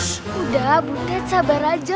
sudah butet sabar saja